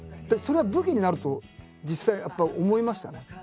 でもそれは武器になると実際やっぱ思いましたね。